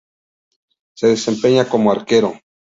Se desempeña como arquero.